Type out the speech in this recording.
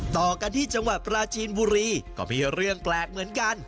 ต่อกันที่จังหวัดปราจีนบุรีก็มีเรื่องแปลกเหมือนกัน